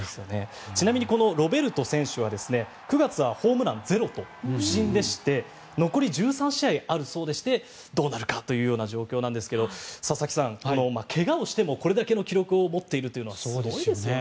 ちなみにロベルト選手は９月はホームランゼロと不振でして残り１３試合あるそうでしてどうなるかというような状況なんですが佐々木さん、怪我をしてもこれだけの記録を持っているというのはすごいですよね。